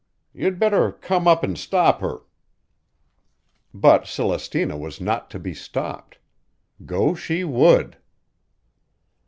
You'd better come up and stop her." But Celestina was not to be stopped. Go she would!